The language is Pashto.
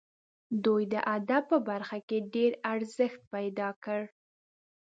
دوی د ادب په برخه کې ډېر ارزښت پیدا کړ.